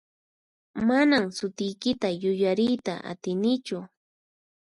Manan sutiykita yuyariyta atinichu.